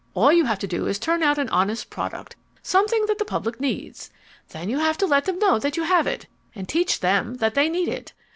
All you have to do is to turn out an honest product, something that the public needs. Then you have to let them know that you have it, and teach them that they need it.